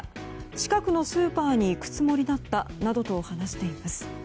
近くのスーパーに行くつもりだったと話しています。